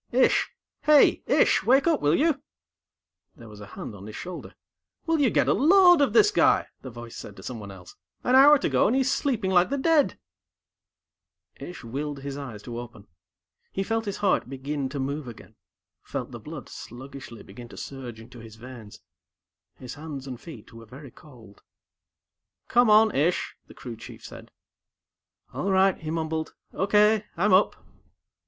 "Ish! Hey, Ish, wake up, will you!" There was a hand on his shoulder. "Will you get a load of this guy!" the voice said to someone else. "An hour to go, and he's sleeping like the dead." Ish willed his eyes to open. He felt his heart begin to move again, felt the blood sluggishly beginning to surge into his veins. His hands and feet were very cold. "Come on, Ish," the Crew Chief said. "All right," he mumbled. "Okay. I'm up."